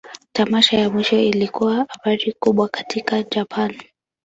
Tamasha ya mwisho ilikuwa habari kubwa katika Japan.